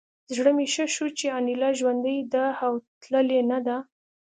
زړه مې ښه شو چې انیلا ژوندۍ ده او تللې نه ده